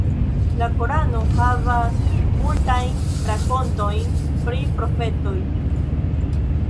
La Korano havas multajn rakontojn pri profetoj.